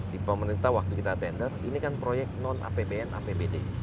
di pemerintah waktu kita tender ini kan proyek non apbn apbd